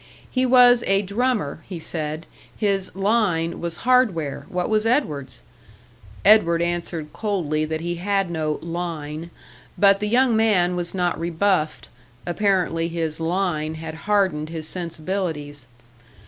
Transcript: He was a "drummer," he said; his "line" was hardware, what was Edward's? Edward answered coldly that he had no "line," but the young man was not rebuffed apparently his "line" had hardened his sensibilities.